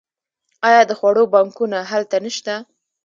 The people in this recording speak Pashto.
آیا د خوړو بانکونه هلته نشته؟